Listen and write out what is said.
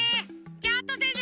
じゃああとでね！